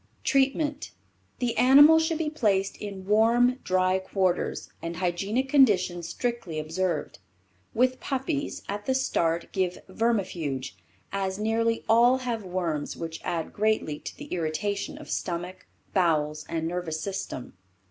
TREATMENT The animal should be placed in warm, dry quarters, and hygienic conditions strictly observed. With puppies, at the start give vermifuge, as nearly all have worms which add greatly to the irritation of stomach, bowels and nervous system.